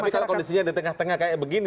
kalau kondisinya di tengah tengah seperti ini